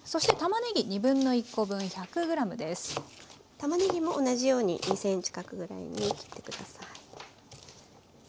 たまねぎも同じように２ｃｍ角ぐらいに切って下さい。